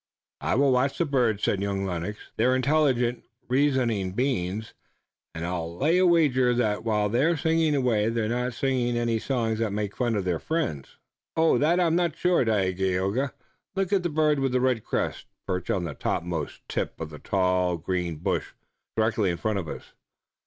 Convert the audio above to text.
"I will watch the birds," said young Lennox. "They're intelligent, reasoning beings, and I'll lay a wager that while they're singing away there they're not singing any songs that make fun of their friends." "Of that I'm not sure, Dagaeoga. Look at the bird with the red crest, perched on the topmost tip of the tall, green bush directly in front of us.